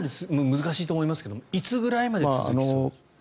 難しいと思いますがいつぐらいまで続きそうですか？